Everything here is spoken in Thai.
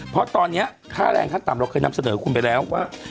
เพราะตอนนี้ค่าแรงขั้นต่ำเราเคยนำเสนอคุณไปแล้วว่า